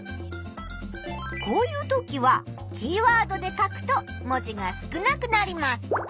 こういうときはキーワードで書くと文字が少なくなります。